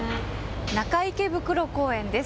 中池袋公園です。